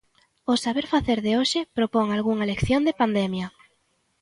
O 'Saber facer' de hoxe propón "algunha lección da pandemia".